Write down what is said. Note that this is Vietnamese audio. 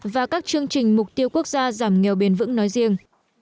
và các chương trình mục tiêu quốc gia giảm nghèo bền vững nói riêng